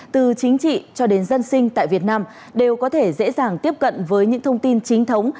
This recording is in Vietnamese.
từ chính trị cho đến dân sinh tại việt nam đều có thể dễ dàng tiếp cận với những thông tin chính thống